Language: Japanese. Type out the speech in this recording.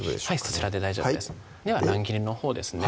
そちらで大丈夫ですでは乱切りのほうですね